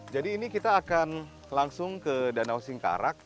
jadi ini kita akan langsung ke danau singkaran